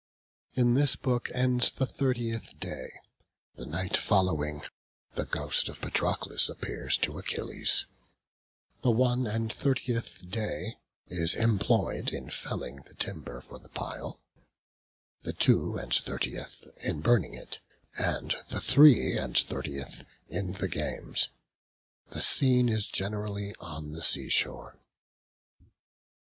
In this book ends the thirtieth day: the night following, the ghost of Patroclus appears to Achilles: the one and thirtieth day is employed in felling the timber for the pile; the two and thirtieth in burning it; and the three and thirtieth in the games. The scene is generally on the sea shore.